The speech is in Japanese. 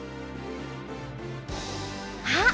あっ！